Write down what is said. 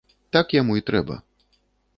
Так яму і трэба.